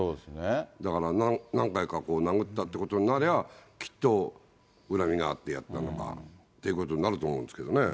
だから何回か殴ったっていうことになりゃ、きっと恨みがあってやったのかっていうことになると思うんですよ